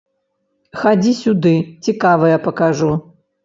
Хадзі сюды, цікавае пакажу.